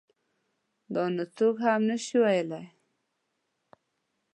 دا نور څوک هم نشي ویلی.